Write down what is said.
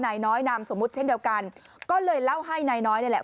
นายน้อยนามสมมุติเช่นเดียวกันก็เลยเล่าให้นายน้อยนี่แหละ